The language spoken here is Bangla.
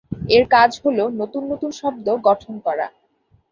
এর কাজ হলো নতুন নতুন শব্দ গঠন করা।